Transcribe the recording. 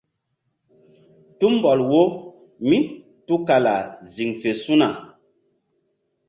Tumbɔl wo mí tukala ziŋfe su̧na.